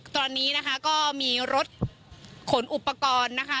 ตอนนี้นะคะก็มีรถขนอุปกรณ์นะคะ